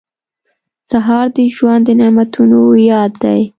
سهار د ژوند د نعمتونو یاد دی.